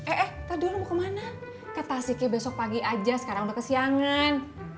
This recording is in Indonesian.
eh eh taduh lu mau kemana ke tasiknya besok pagi aja sekarang udah kesiangan